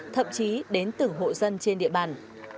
thậm chí đến từ hộ dân trên địa bàn